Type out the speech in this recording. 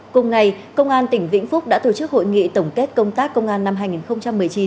cùng ngày công an tỉnh vĩnh phúc đã tổ chức hội nghị tổng kết công tác công an năm hai nghìn một mươi chín